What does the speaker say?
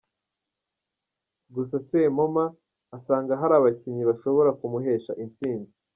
Gusa Sempoma asanga hari abakinnyi bashobora kumuhesha intsinzi.